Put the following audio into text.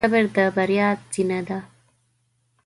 صبر د بریا زینه ده.